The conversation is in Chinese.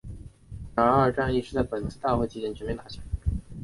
然而二战亦是在本次大会期间全面打响。